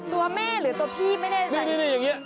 ตัวแม่หรือตัวพี่ไม่ได้ใจ